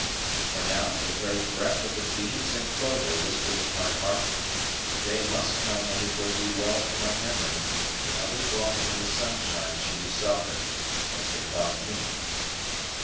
For now, the very breath of the beans and clover whispered to my heart that the day must come when it would be well for my memory that others walking in the sunshine should be softened as they thought of me.